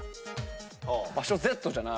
「場所Ｚ」じゃない。